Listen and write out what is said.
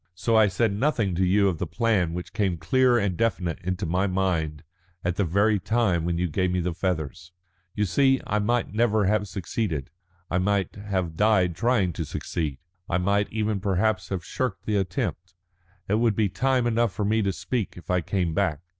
So I said nothing to you of the plan which came clear and definite into my mind at the very time when you gave me the feathers. You see, I might never have succeeded. I might have died trying to succeed. I might even perhaps have shirked the attempt. It would be time enough for me to speak if I came back.